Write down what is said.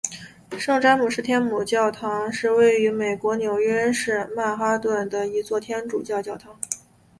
圣詹姆士天主教堂是位于美国纽约市下曼哈顿的一座天主教教堂。